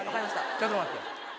ちょっと待って。